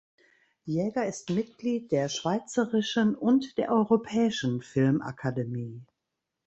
Jäger ist Mitglied der Schweizerischen und der Europäischen Filmakademie.